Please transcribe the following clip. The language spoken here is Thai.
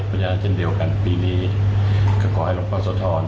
เพราะฉะนั้นเช่นเดียวกันปีนี้ก็ขอให้หลงพระโสธร